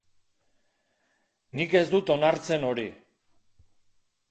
Nik ez dut onartzen hori.